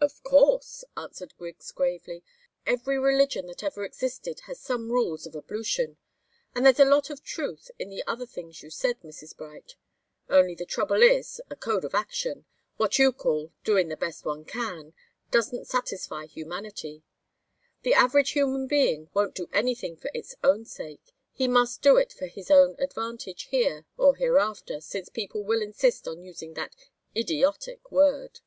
"Of course," answered Griggs, gravely. "Every religion that ever existed has some rules of ablution. And there's a lot of truth in the other things you said, Mrs. Bright. Only the trouble is, a code of action what you call doing the best one can doesn't satisfy humanity. The average human being won't do anything for its own sake. He must do it for his own advantage here or hereafter, since people will insist on using that idiotic word."